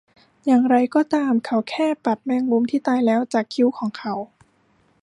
อย่างไรก็ตาม เขาแค่ปัดแมงมุมที่ตายแล้วจากคิ้วของเขา